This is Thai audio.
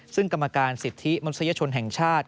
ซึ่งกรรมการสิทธิมนุษยชนแห่งชาติ